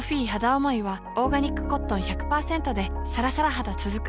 おもいはオーガニックコットン １００％ でさらさら肌つづく